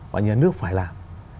và nhà nước phải làm